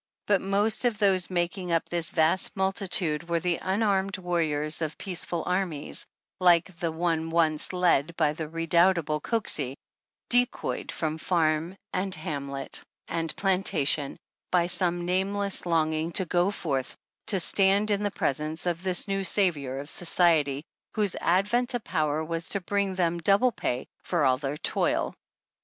But most of those making up this vast multitude were the unarmed warriors of peaceful armies " like the one once led by the re doubtable Coxey, decoyed from farm and hamlet and 19 20 plantation by some nameless longing to go forth to stand in the presence of this new Savior of Society, whose advent to power was to bring them double pay for all their toil.